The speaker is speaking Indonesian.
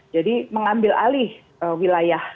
jadi mengambil alih wilayah